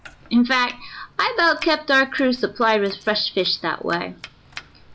In fact, I about kept our crew supplied with fresh fish that way.